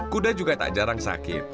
kuda juga tak jarang sakit